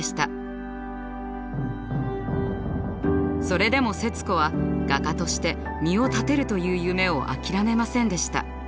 それでも節子は画家として身を立てるという夢を諦めませんでした。